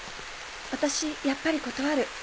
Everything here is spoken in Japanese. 私やっぱり断る。